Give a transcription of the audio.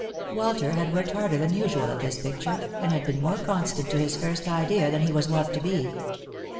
Walter had worked harder than usual at this picture, and had been more constant to his first idea than he was wont to be.